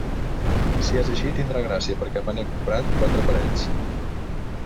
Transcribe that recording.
Si és així, tindrà gràcia, perquè me n'he comprat quatre parells.